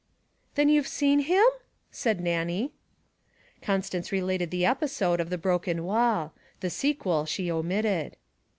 'Then you've seen him?' said Nannie. Constance related the episode of the broken wall the sequel she omitted.